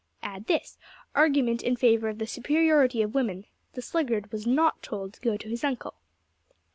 Add this: Argument in favour of the Superiority of Women The sluggard was not told to go to his uncle.'